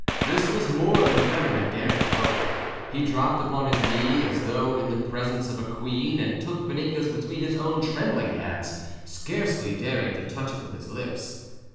This was more than Foedor had dared to hope. He dropped upon his knee, as though in the presence of a queen, and took Vaninka's between his own trembling hands, scarcely daring to touch it with his lips.